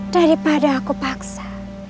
daripada aku paksa